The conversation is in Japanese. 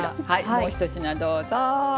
もう１品どうぞ。